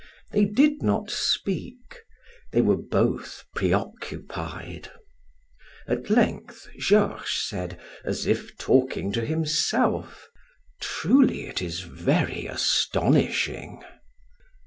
They did not speak; they were both preoccupied. At length Georges said, as if talking to himself: "Truly it is very astonishing!"